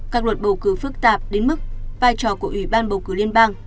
các luật bầu cử phức tạp đến mức vai trò của ủy ban bầu cử liên bang